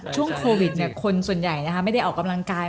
ช่วงโควิดคนส่วนใหญ่ไม่ได้ออกกำลังกาย